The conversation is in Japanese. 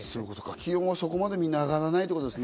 気温はみんな、そこまで上がらないということですね。